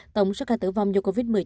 tổng số ca tử vong do covid một mươi chín